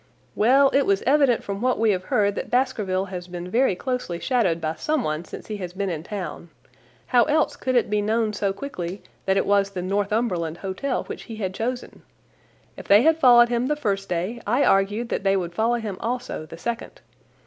"Well, it was evident from what we have heard that Baskerville has been very closely shadowed by someone since he has been in town. How else could it be known so quickly that it was the Northumberland Hotel which he had chosen? If they had followed him the first day I argued that they would follow him also the second.